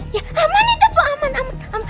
ya aman itu aman aman